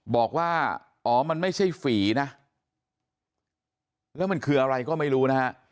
บอกว่าอ๋อมันไม่ใช่ฝีนะแล้วมันคืออะไรก็ไม่รู้นะฮะ